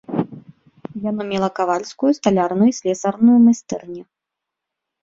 Яно мела кавальскую, сталярную і слясарную майстэрні.